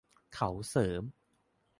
เขาเสริม